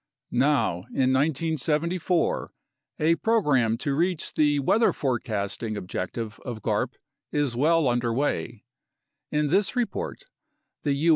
Now, in 1974, a program to reach the "weather forecasting" objective of garp is well under way. In this report, the U.